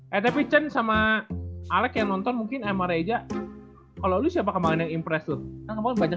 ya tapi cuman sama alec yang nonton mungkin emang aja kalau lu siapa kemarin yang impresion banyak